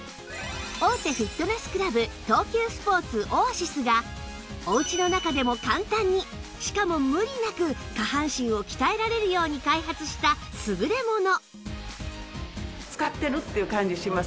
大手フィットネスクラブ東急スポーツオアシスがお家の中でも簡単にしかも無理なく下半身を鍛えられるように開発した優れもの